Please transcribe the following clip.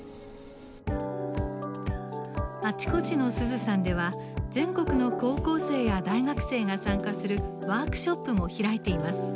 「あちこちのすずさん」では全国の高校生や大学生が参加するワークショップも開いています。